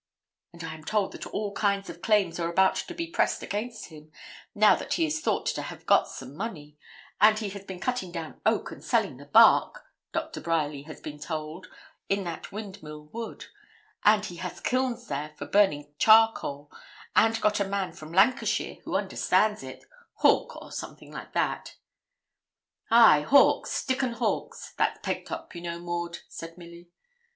And I am told that all kinds of claims are about to be pressed against him, now that he is thought to have got some money; and he has been cutting down oak and selling the bark, Doctor Bryerly has been told, in that Windmill Wood; and he has kilns there for burning charcoal, and got a man from Lancashire who understands it Hawk, or something like that.' 'Ay, Hawkes Dickon Hawkes; that's Pegtop, you know, Maud,' said Milly.